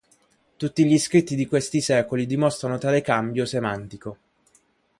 Tutti gli scritti di questi secoli dimostrano tale cambio semantico.